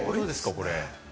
これ。